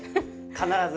必ず。